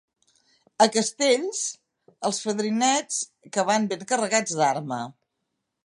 A Castells, els fadrinets, que van ben carregats d’arma.